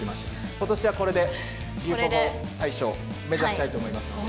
ことしはこれで流行語大賞を目指したいと思いますので。